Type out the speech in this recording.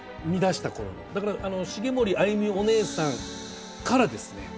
だから茂森あゆみお姉さんからですね。